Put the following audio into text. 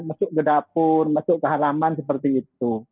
masuk ke dapur masuk ke halaman seperti itu